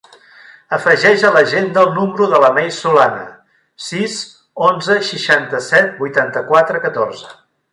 Afegeix a l'agenda el número de la Mei Solana: sis, onze, seixanta-set, vuitanta-quatre, catorze.